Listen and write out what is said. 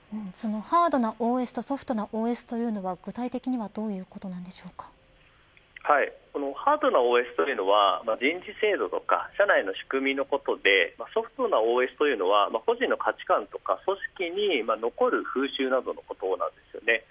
ハードなＯＳとソフトなＯＳというのは具体的にはハードなＯＳというのは人事制度や社内の仕組みのことでソフトなＯＳというのは個人の価値観や、組織に残る風習などのことなんです。